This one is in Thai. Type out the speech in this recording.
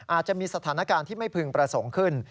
อาจจะมีสถานการณ์ที่ไม่พึงประสงค์ขึ้น